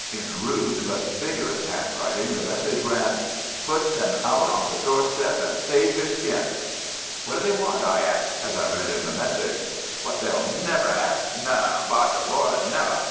In rude but vigorous handwriting the message ran:— "Put them out on the doorstep and save your skin." "What do they want?" I asked, as I read him the message. "What they'll never 'ave! No, by the Lord, never!"